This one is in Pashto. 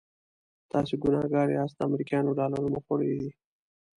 تاسې ګنهګار یاست د امریکایانو ډالر مو خوړلي دي.